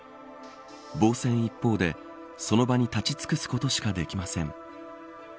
防戦一方でその場に立ち尽くすことしかできません。